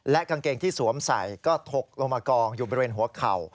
กางเกงที่สวมใส่ก็ถกลงมากองอยู่บริเวณหัวเข่า